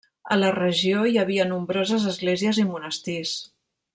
A la regió hi havia nombroses esglésies i monestirs.